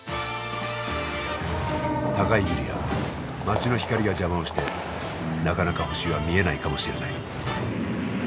高いビルや街の光が邪魔をしてなかなか星は見えないかもしれない。